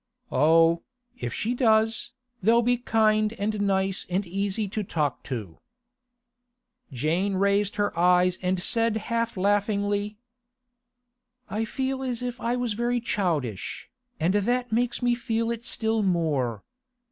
'Oh, if she does, they'll be kind and nice and easy to talk to.' Jane raised her eyes and said half laughingly: 'I feel as if I was very childish, and that makes me feel it still more.